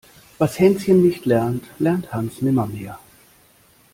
Was Hänschen nicht lernt, lernt Hans nimmer mehr.